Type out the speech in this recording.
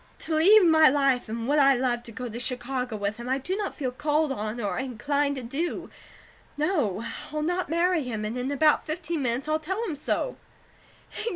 To leave my life and what I love to go to Chicago with him, I do not feel called on, or inclined to do. No, I'll not marry him, and in about fifteen minutes I'll tell him so."